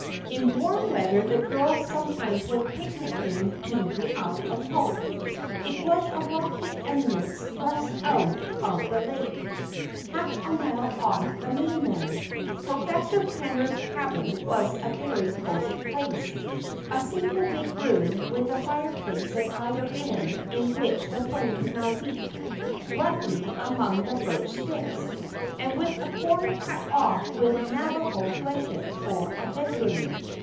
In warm weather the girls sometimes went picnicking to the Isle of Hope. It was a rocky eminence thrust out of the lake, half a mile off the mainland. Professor Krenner's cabin was a very cozy place a single big room, with a fireplace at either end in which the flames now leaped ruddily among the birch sticks, and with a corner cut off with Navajo blankets for a bedroom.